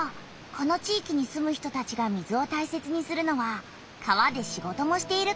この地域に住む人たちが水を大切にするのは川で仕事もしているからなんだ。